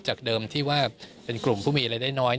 จากเดิมที่ว่าเป็นกลุ่มผู้มีรายได้น้อย